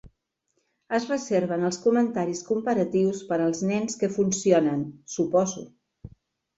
Es reserven els comentaris comparatius per als nens que funcionen, suposo.